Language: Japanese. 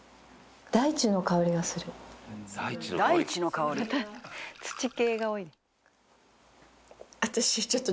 「大地の香り」「土気が多い」「」